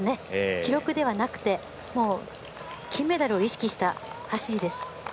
記録ではなくて金メダルを意識した走りです。